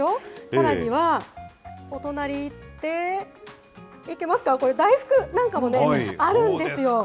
さらにはお隣いって、いけますか、これ、大福なんかもね、あるんですよ。